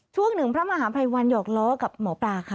ช่วงหนึ่งพระมหาภัยวันหยอกล้อกับหมอปลาค่ะ